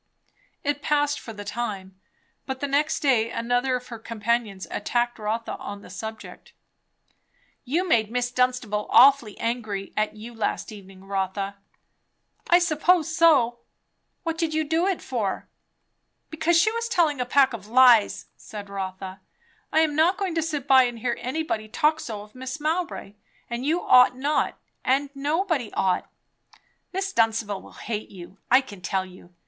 It passed for the time; but the next day another of her companions attacked Rotha on the subject. "You made Miss Dunstable awfully angry at you last evening, Rotha." "I suppose so." "What did you do it for?" "Because she was telling a pack of lies!" said Rotha. "I'm not going to sit by and hear anybody talk so of Mrs. Mowbray. And you ought not; and nobody ought." "Miss Dunstable will hate you, I can tell you.